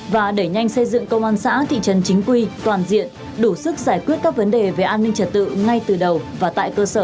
và đẩy nhanh xây dựng công an xã thị trấn chính quy toàn diện đủ sức giải quyết các vấn đề về an ninh trật tự ngay từ đầu và tại cơ sở